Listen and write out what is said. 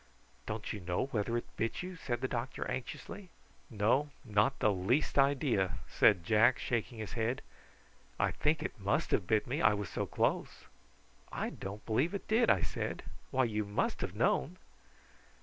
"Don't you know whether it bit you?" said the doctor anxiously. "No, not the least idea," said Jack, shaking his head. "I think it must have bit me, I was so close." "I don't believe it did," I said. "Why, you must have known."